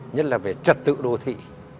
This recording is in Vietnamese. nhất là về trật tự đô thị